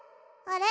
あれ？